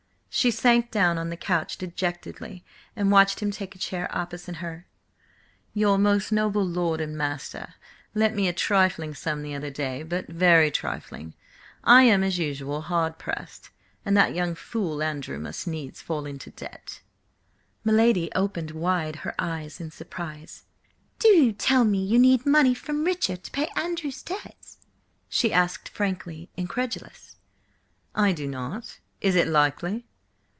She sank down on the couch dejectedly and watched him take a chair opposite her. "Your most noble lord and master lent me a trifling sum the other day, but very trifling. I am, as usual, hard pressed. And that young fool Andrew must needs fall into debt." My lady opened wide her eyes in surprise. "Do you tell me you need money from Richard to pay Andrew's debts?" she asked, frankly incredulous. "I do not. Is it likely?